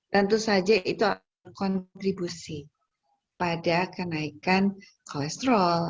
tentu saja itu kontribusi pada kenaikan kolesterol